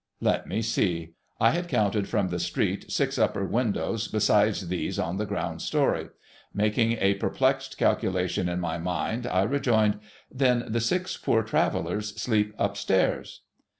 Let me see. I had counted from the street six upper windows besides these on the ground story. Making a perplexed calculation in my mind, I rejoined, ' Then the six Poor Travellers sleep upstairs